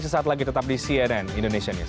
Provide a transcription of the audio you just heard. sesaat lagi tetap di cnn indonesia news